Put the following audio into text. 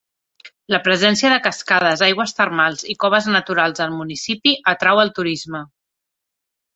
La presència de cascades, aigües termals i coves naturals al municipi atrau el turisme.